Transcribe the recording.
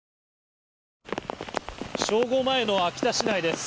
正午前の秋田市内です。